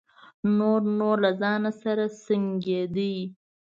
نور نو له ځانه سره سڼېده.